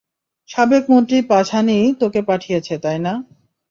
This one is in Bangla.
সাবেক মন্ত্রী পাঝানি তোকে পাঠিয়েছে, তাই না?